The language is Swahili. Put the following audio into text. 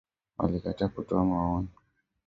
Walikataa kutoa maoni